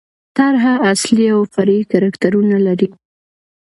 طرحه اصلي او فرعي کرکټرونه لري.